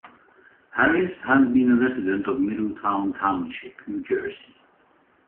Harris has been a resident of Middletown Township, New Jersey.